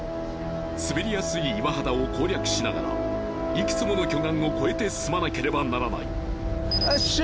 滑りやすい岩肌を攻略しながらいくつもの巨岩を越えて進まなければならないよっしゃ！